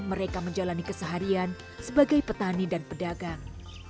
mereka menjalani keseharian sebagai petani dan pedagang